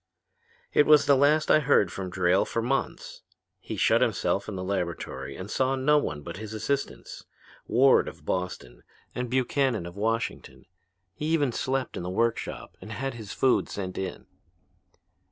"It was the last I heard from Drayle for months. He shut himself in his laboratory and saw no one but his assistants, Ward of Boston, and Buchannon of Washington. He even slept in the workshop and had his food sent in.